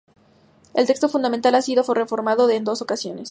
El texto fundamental ha sido reformado en dos ocasiones.